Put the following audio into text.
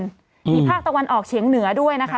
มีภาคตะวันออกเฉียงเหนือด้วยนะคะ